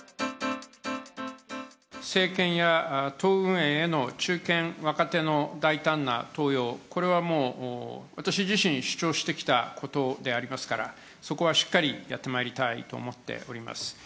政権や党運営への中堅・若手の大胆な登用、これはもう、私自身、主張してきたことでありますから、そこはしっかりやってまいりたいと思っております。